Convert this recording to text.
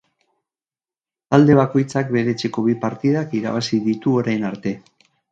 Talde bakoitzak bere etxeko bi partidak irabazi ditu orain arte.